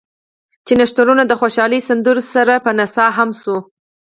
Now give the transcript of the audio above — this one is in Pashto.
چې نښترونو د خوشالۍ سندرو سره سره پۀ نڅا هم شو ـ